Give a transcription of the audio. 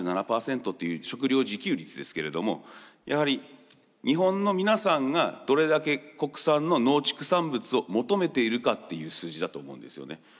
３７％っていう食料自給率ですけれどもやはり日本の皆さんがどれだけ国産の農畜産物を求めているかっていう数字だと思うんですよね。